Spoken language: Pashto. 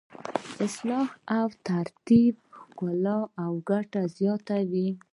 اصلاح او ترتیب ښکلا او ګټه زیاتوي.